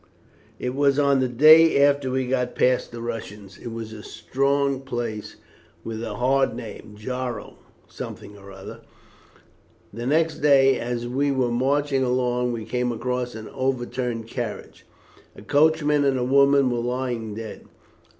"It was on the day after we got past the Russians. It was a strong place with a hard name Jaro something or other. The next day, as we were marching along, we came across an overturned carriage. A coachman and a woman were lying dead.